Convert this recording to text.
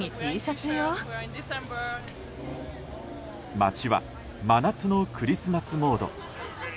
街は真夏のクリスマスモード。